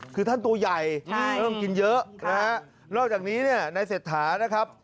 คือท่านตัวใหญ่แล้วต้องกินเยอะนะครับแล้วจากนี้ในเสร็จถานะครับ